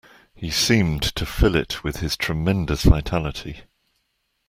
He seemed to fill it with his tremendous vitality.